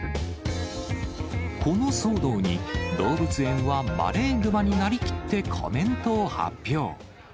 この騒動に、動物園はマレーグマになりきってコメントを発表。